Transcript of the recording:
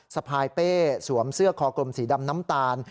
สะพายเป้สวมเสื้อคอกลมสีดำน้ำตาล